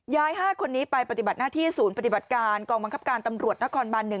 ๕คนนี้ไปปฏิบัติหน้าที่ศูนย์ปฏิบัติการกองบังคับการตำรวจนครบัน๑